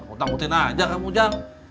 utang utin aja kamu jangan